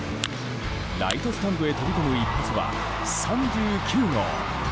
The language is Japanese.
ライトスタンドへ飛び込む一発は３９号。